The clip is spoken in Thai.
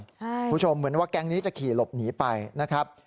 ใช่คุณผู้ชมเหมือนว่าแก๊งนี้จะขี่หลบหนีไปนะครับ